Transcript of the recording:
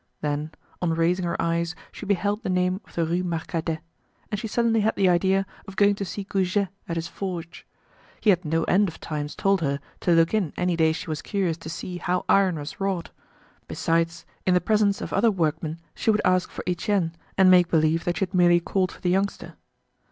Then, on raising her eyes she beheld the name of the Rue Marcadet, and she suddenly had the idea of going to see Goujet at his forge. He had no end of times told her to look in any day she was curious to see how iron was wrought. Besides in the presence of other workmen she would ask for Etienne, and make believe that she had merely called for the youngster.